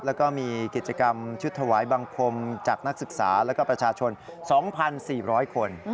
แล้วก็มีกิจกรรมชุดถวายบังคมจากนักศึกษาแล้วก็ประชาชน๒๔๐๐คน